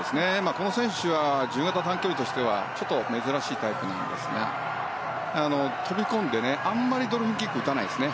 この選手は自由形短距離としてはちょっと珍しいタイプなんですが飛び込んであんまりドルフィンキックを打たないんですね。